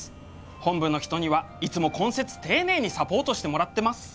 本部の人にはいつも懇切丁寧にサポートしてもらってます。